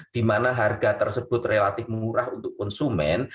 di mana harga tersebut relatif murah untuk konsumen